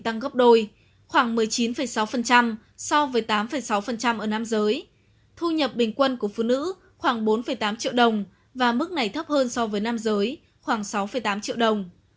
tăng gấp đôi khoảng một mươi chín sáu so với tám sáu ở nam giới thu nhập bình quân của phụ nữ khoảng bốn tám triệu đồng và mức này thấp hơn so với nam giới khoảng sáu tám triệu đồng